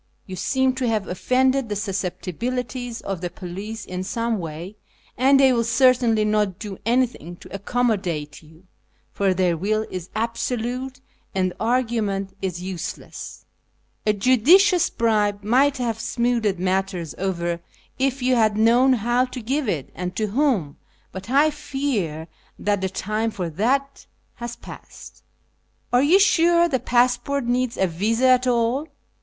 You seeiu to have offended the susceptibilities of the police in some way, and they will certainly not do anything to accom modate you, for their will is absolute, and argument is useless. A judicious bribe might have smoothed matters over if you had known how to give it and to whom, but I fear that the time for that has passed." " Are you sure the passport needs a visa at all